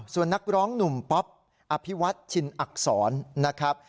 ส่วนนักร้องหนุ่มป๊อปอภิวัตชินอักษรนะครับ